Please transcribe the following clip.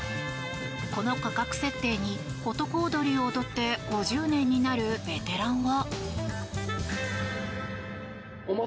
この価格設定に男踊りを踊って５０年になるベテランは。